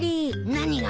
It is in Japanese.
何が？